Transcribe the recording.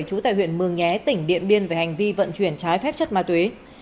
trú tại huyện mường nhé tỉnh điện biên về hành vi vận chuyển trái phép chất ma túy